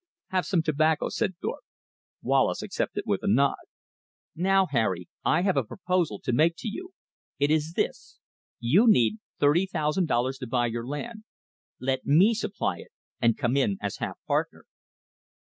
"Have some tobacco," said Thorpe. Wallace accepted with a nod. "Now, Harry, I have a proposal to make to you. It is this; you need thirty thousand dollars to buy your land. Let me supply it, and come in as half partner."